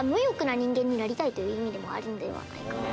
という意味でもあるんではないかなと。